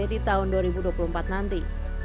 di tahun dua ribu dua puluh empat nanti